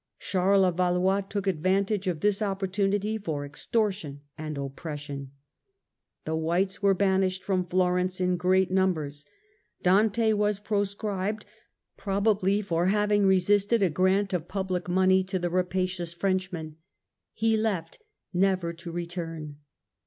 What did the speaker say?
Charles of Valois took advantage of this opportunity for extortion and oppression. The Whites were banished from Florence in great numbers : Dante was proscribed, probably for having resisted a grant of public money to the rapacious Frenchman ; he left never to return.